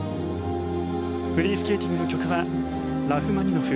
フリースケーティングの曲はラフマニノフ